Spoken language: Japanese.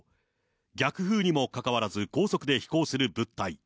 逆風にもかかわらず、高速で飛行する物体。